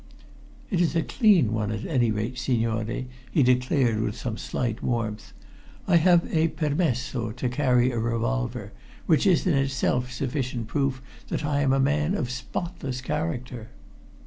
"It is a clean one, at any rate, signore," he declared with some slight warmth. "I have a permesso to carry a revolver, which is in itself sufficient proof that I am a man of spotless character."